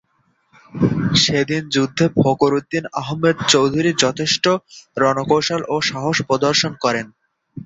সেদিন যুদ্ধে ফখর উদ্দিন আহমেদ চৌধুরী যথেষ্ট রণকৌশল ও সাহস প্রদর্শন করেন।